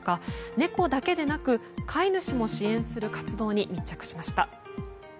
猫だけでなく飼い主も支援する活動に密着しました。